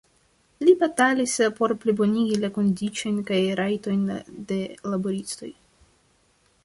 Li batalis por plibonigi la kondiĉojn kaj rajtojn de laboristoj.